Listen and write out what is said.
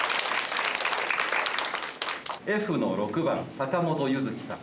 Ｆの６番坂本柚月さん。